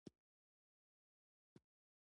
افغانستان د جلګه د ترویج لپاره پروګرامونه لري.